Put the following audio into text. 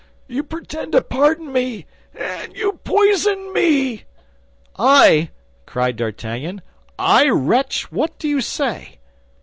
You pretend to pardon me, and you poison me!" "I!" cried D'Artagnan. "I, wretch? What do you say?"